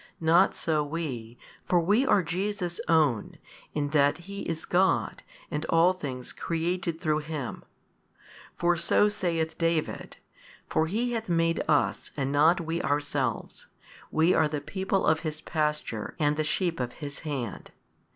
Not so we, for we are Jesus' own, in that He is God and all things created through Him. For so saith David, For He hath made us and not we ourselves, we are the people of His pasture and the sheep of His |189 Hand.